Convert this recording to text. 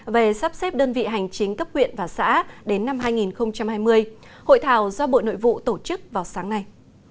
về sắp xếp đơn vị hành chính cấp huyện và xã đến năm hai nghìn hai mươi hội thảo do bộ nội vụ tổ chức vào sáng nay